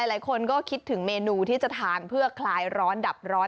หลายคนก็คิดถึงเมนูที่จะทานเพื่อคลายร้อนดับร้อน